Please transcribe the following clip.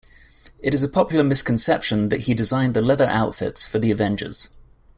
It is a popular misconception that he designed the leather outfits for "The Avengers".